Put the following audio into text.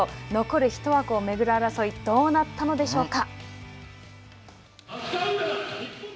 残る１枠を巡る争い、どうなったのでしょうか。